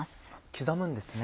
刻むんですね。